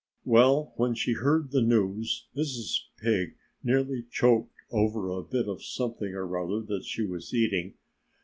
Well, when she heard the news Mrs. Pig nearly choked over a bit of something or other that she was eating.